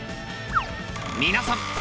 皆さん！